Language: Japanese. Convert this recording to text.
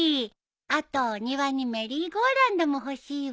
あとお庭にメリーゴーラウンドも欲しいわ。